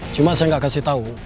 cuma saya gak kasih tau